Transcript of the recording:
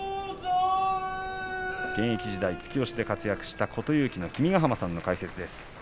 現役時代、突き押しで活躍した琴勇輝の君ヶ濱さんの解説です。